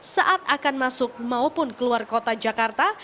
saat akan masuk maupun keluar kota jakarta